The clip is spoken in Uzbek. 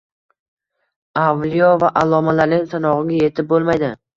Avliyo va allomalarning sanog‘iga yetib bo‘lmaydi.